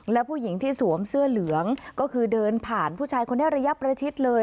และผู้หญิงที่สวมเสื้อเหลืองก็คือเดินผ่านผู้ชายคนนี้ระยะประชิดเลย